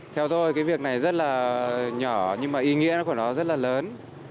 theo tôi cái việc này rất là nhỏ nhưng mà ý nghĩa của nó rất là lớn